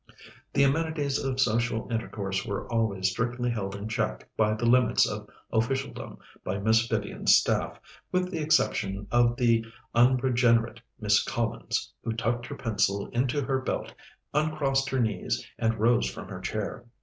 The amenities of social intercourse were always strictly held in check by the limits of officialdom by Miss Vivian's staff, with the exception of the unregenerate Miss Collins, who tucked her pencil into her belt, uncrossed her knees, and rose from her chair.